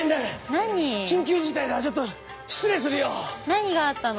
何があったの？